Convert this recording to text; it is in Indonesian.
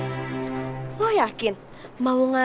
ada bulan itu maksudnya